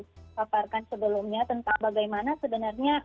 dipaparkan sebelumnya tentang bagaimana sebenarnya